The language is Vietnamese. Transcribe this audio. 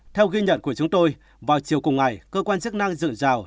theo ghi nhận của chúng tôi vào chiều cùng ngày cơ quan chức năng dự rào